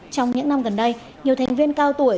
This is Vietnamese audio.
trong những năm gần đây nhiều thành viên cao tuổi